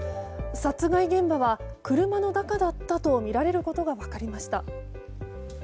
殺害現場は車の中だったとみられることが分かりました。